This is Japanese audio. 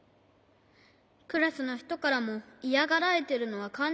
クラスのひとからもイヤがられてるのはかんじてるんだ。